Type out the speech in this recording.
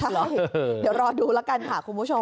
เดี๋ยวรอดูแล้วกันค่ะคุณผู้ชม